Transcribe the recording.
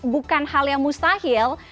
bukan hal yang mustahil